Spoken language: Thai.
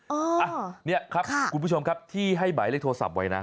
เอ้าเนี่ยครับค่ะคุณผู้ชมครับที่ให้ไบได้โทรศัพท์ไว้นะ